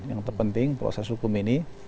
yang terpenting proses hukum ini